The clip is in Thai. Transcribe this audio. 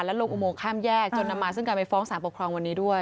ลงอุโมงข้ามแยกจนนำมาซึ่งการไปฟ้องสารปกครองวันนี้ด้วย